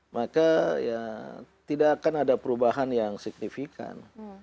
maka ya tidak akan ada perubahan yang signifikan